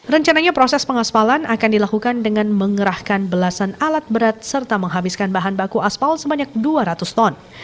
rencananya proses pengaspalan akan dilakukan dengan mengerahkan belasan alat berat serta menghabiskan bahan baku aspal sebanyak dua ratus ton